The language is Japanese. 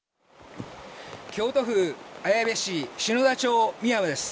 京都府綾部市篠田町深山です。